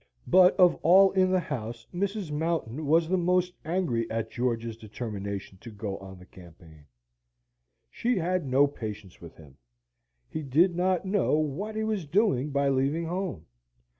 But, of all in the house, Mrs. Mountain was the most angry at George's determination to go on the campaign. She had no patience with him. He did not know what he was doing by leaving home.